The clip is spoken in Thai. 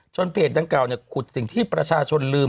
จนเพจดั้งเก่าเนี่ยขุดสิ่งที่ประชาชนลืม